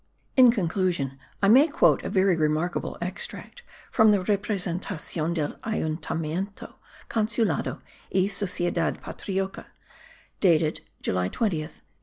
In conclusion I may quote a very remarkable extract from the Representacion del Ayuntamiento, Consulado, y Sociedad patriotica, dated July 20th, 1811.